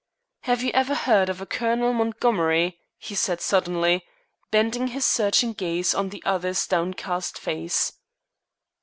"Have you ever heard of a Colonel Montgomery?" he said suddenly, bending his searching gaze on the other's downcast face.